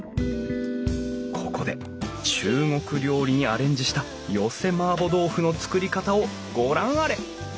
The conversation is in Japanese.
ここで中国料理にアレンジした寄せ麻婆豆腐の作り方をご覧あれ！